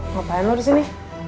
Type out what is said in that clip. ngapain lo disini